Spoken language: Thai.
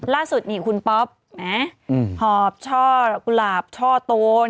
ล่าสุดนี่คุณป๊อปหอบช่อกุหลาบช่อโตน